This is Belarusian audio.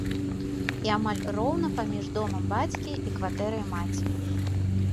І амаль роўна паміж домам бацькі і кватэрай маці.